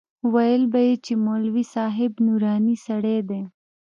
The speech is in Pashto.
ويل به يې چې مولوي صاحب نوراني سړى دى.